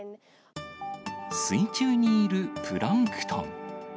水中にいるプランクトン。